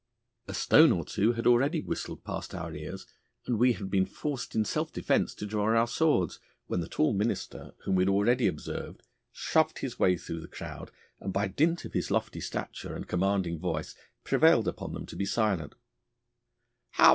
A stone or two had already whistled past our ears, and we had been forced in self defence to draw our swords, when the tall minister whom we had already observed shoved his way through the crowd, and by dint of his lofty stature and commanding voice prevailed upon them to be silent.